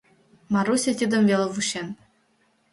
Маруся тидым веле вучен.